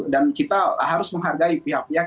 dan kita harus menghargai pihak pihak